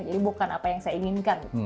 jadi bukan apa yang saya inginkan